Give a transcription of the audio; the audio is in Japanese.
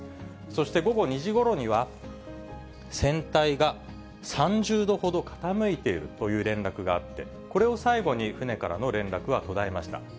そして午後２時ごろには、船体が３０度ほど傾いているという連絡があって、これを最後に、船からの連絡は途絶えました。